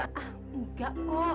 ah enggak kok